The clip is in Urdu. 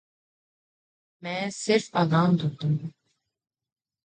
میں صرف آرام کرتا ہوں۔